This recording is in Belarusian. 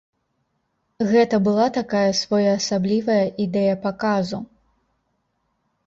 Гэта была такая своеасаблівая ідэя паказу.